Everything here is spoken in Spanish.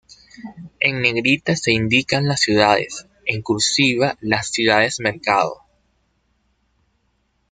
En negrita se indican las ciudades, en "cursiva" las ciudades-mercado.